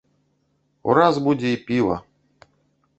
Ураз будзе і піва!